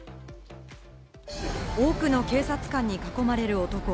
多くの警察官に囲まれる男。